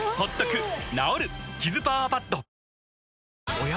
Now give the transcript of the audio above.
おや？